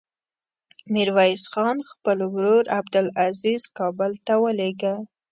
ميرويس خان خپل ورور عبدلعزير کابل ته ولېږه.